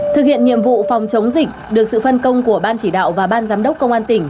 thực hiện nhiệm vụ phòng chống dịch được sự phân công của ban chỉ đạo và ban giám đốc công an tỉnh